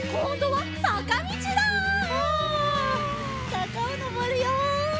さかをのぼるよ！